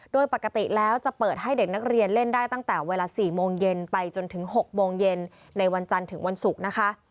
โดยปกติแล้วจะเปิดให้เด็กนักเรียนเล่นได้ตั้งแต่เวลา๔โมงเย็นไปจนถึง๖โมงเย็นในวันจันทร์ถึงวันศุกร์นะคะ